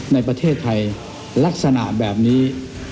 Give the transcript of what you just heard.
ในประเทศไทยลักษณะแบบนี้